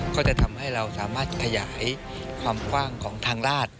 ก็จะทำให้เราสามารถขยายความกว้างของทางราช